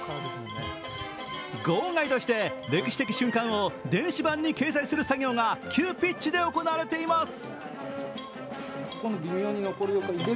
号外として歴史的瞬間を電子版に掲載する作業が急ピッチで行われています。